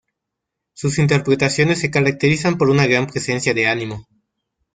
Sus interpretaciones se caracterizan por una gran presencia de ánimo.